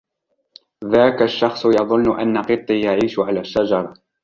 ذاك الشخص يظن أن قطي يعيش على الشجرة.